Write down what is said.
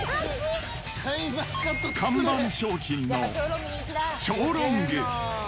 看板商品の超ロング。